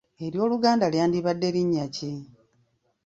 Ery’Oluganda lyandibadde linnya ki?